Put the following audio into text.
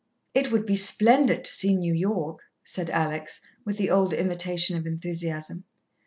"It would be splendid to see New York," said Alex, with the old imitation of enthusiasm.